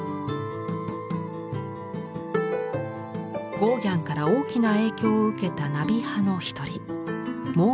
ゴーギャンから大きな影響を受けたナビ派の一人モーリス・ドニ。